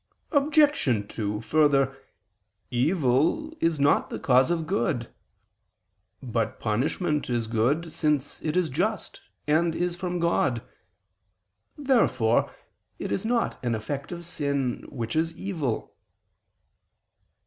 Obj. 2: Further, evil is not the cause of good. But punishment is good, since it is just, and is from God. Therefore it is not an effect of sin, which is evil.